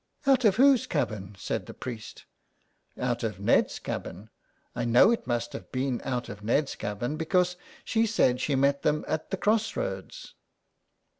*' Out of whose cabin ?" said the priest. " Out of Ned's cabin. I know it must have been out of Ned's cabin, because she said she met them at the cross roads."